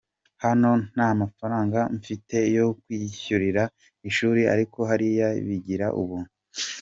Hano nta mafaranga mfite yo kubishyurira ishuri ariko hariya bigira ubuntu.